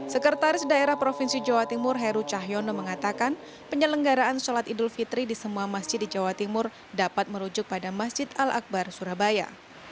sekretaris daerah provinsi jawa timur heru cahyono mengatakan penyelenggaraan sholat idul fitri di semua masjid di jawa timur dapat merujuk pada masjid al akbar surabaya